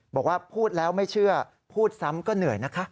บอกว่าพูดแล้วไม่เชื่อพูดซ้ำก็เหนื่อยนะคะ